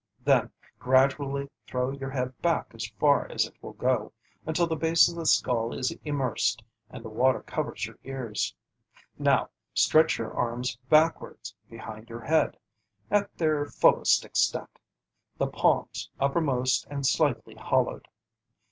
Then gradually throw your bead back as far as it will go, until the base of the skull is immersed and the water covers your ears. Now stretch your arms backwards behind your head, at their fullest extent, the palms uppermost and slightly hollowed.